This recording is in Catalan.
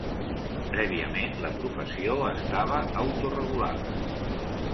Prèviament la professió estava autoregulada.